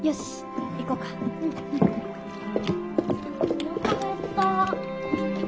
おなか減った！